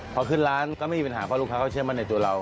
พอขึ้นร้านก็ไม่มีปัญหาเพราะลูกค้าเขาเชื่อมั่นในตัวเรา